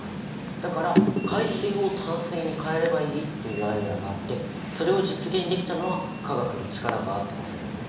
だから海水を淡水に変えればいいっていうアイデアがあってそれを実現できたのは化学の力があってこそだよね。